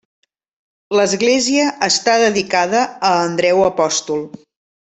L'església està dedicada a Andreu apòstol.